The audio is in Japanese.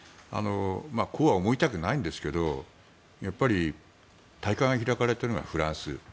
こうは思いたくないんですが大会が開かれているのはフランス。